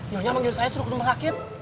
nyonya manggil saya suruh ke rumah kakin